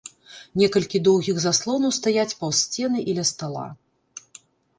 Некалькі доўгіх заслонаў стаяць паўз сцены і ля стала.